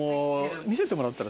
見せてもらったら？